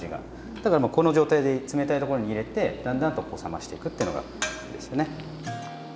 だからこの状態で冷たいところに入れてだんだんとこう冷ましていくってのがいいですよね。